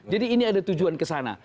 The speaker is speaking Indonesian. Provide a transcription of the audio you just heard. jadi ini ada tujuan ke sana